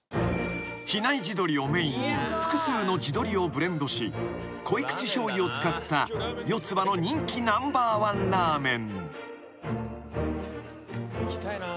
［比内地鶏をメインに複数の地鶏をブレンドし濃い口しょうゆを使った四つ葉の人気ナンバーワンラーメン］